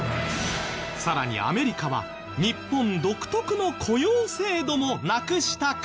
さらにアメリカは日本独特の雇用制度もなくしたかった？